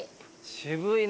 渋いね。